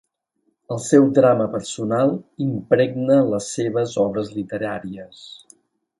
El seu drama personal impregnà les seves obres literàries.